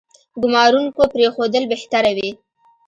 ګومارونکو پرېښودل بهتره وي.